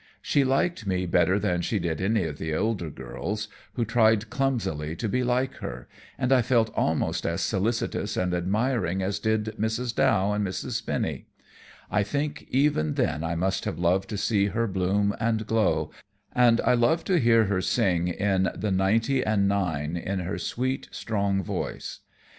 She liked me better than she did any of the older girls, who tried clumsily to be like her, and I felt almost as solicitous and admiring as did Mrs. Dow and Mrs. Spinny. I think even then I must have loved to see her bloom and glow, and I loved to hear her sing, in "The Ninety and Nine," But one was out on the hills away in her sweet, strong voice.